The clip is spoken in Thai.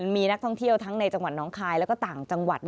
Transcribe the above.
มีนักท่องเที่ยวทั้งในจังหวัดน้องคายแล้วก็ต่างจังหวัด